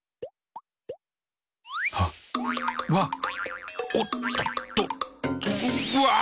あっわっおっとっとうわあっ！